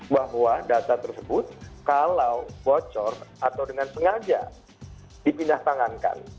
bahwa data tersebut kalau bocor atau dengan sengaja dipindah tangankan